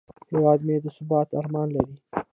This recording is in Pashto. هیواد مې د ثبات ارمان لري